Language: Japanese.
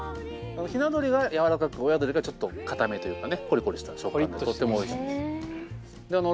ひな鶏がやわらかく親鶏がちょっと硬めというかねコリコリした食感でとっても美味しいです。